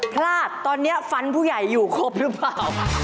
พลาดตอนนี้ฟันผู้ใหญ่อยู่ครบหรือเปล่า